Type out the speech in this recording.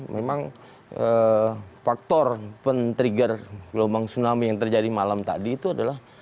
memang faktor pen trigger gelombang tsunami yang terjadi malam tadi itu adalah